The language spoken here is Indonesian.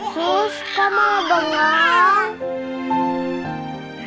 sus kamu mau banget